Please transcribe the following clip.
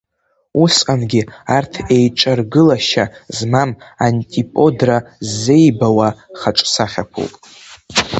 Усҟангьы арҭ еиҿаргылашьа змам, антиподра ззеибауа хаҿсахьақәоуп.